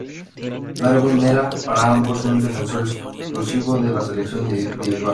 Darwin era, para ambos, un defensor exclusivo de la selección individual.